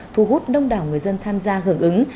thu hút đông đảo người dân tham gia hưởng ứng